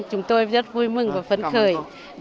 chúng tôi rất vui mừng và phấn khởi